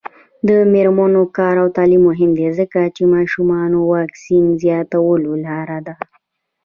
د میرمنو کار او تعلیم مهم دی ځکه چې ماشومانو واکسین زیاتولو لاره ده.